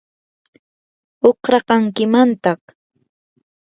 uqrakankimantaq.